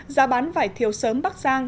giá bán vải thiếu sớm bắc giang